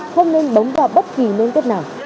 không nên bấm vào bất kỳ liên kết nào